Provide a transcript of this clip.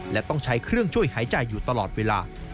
และต้องใช้เครื่องช่วยหายใจอยู่ตลอดเวลา